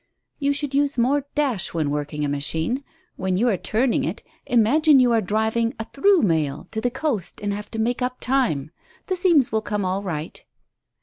"You should use more dash when working a machine. When you are turning it, imagine you are driving a 'through mail' to the coast and have to make up time. The seams will come all right."